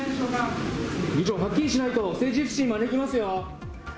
議長、はっきりしないと政治不信招きますよ。